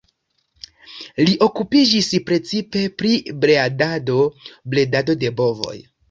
Li okupiĝis precipe pri bredado de bovoj.